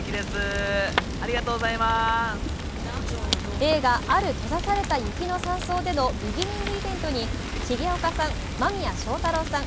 映画「ある閉ざされた雪の山荘で」のビギニングイベントに重岡さん、間宮祥太朗さん